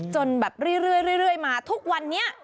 จนแบบเรื่อยมาทุกวันนี้